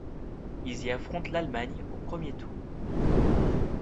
Ils y affrontent l'Allemagne au premier tour.